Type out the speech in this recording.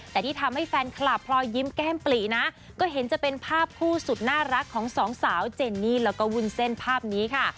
แต่ที่ทำให้แฟนคลับพลอยยิ้มแก้มปลีนะก็เห็นจะเป็นภาพคู่สุดน่ารักของสองสาวเจนนี่แล้วก็วุ้นเส้นภาพนี้ค่ะ